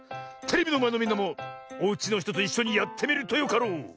テレビのまえのみんなもおうちのひとといっしょにやってみるとよかろう。